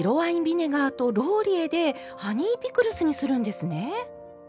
ビネガーとローリエでハニーピクルスにするんですね。